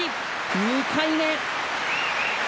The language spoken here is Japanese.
２回目。